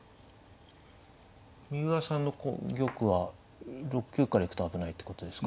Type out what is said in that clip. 三浦さんのこう玉は６九から行くと危ないってことですか。